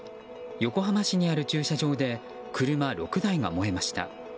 横浜市にある駐車場で車６台が燃えました。